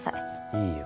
いいよ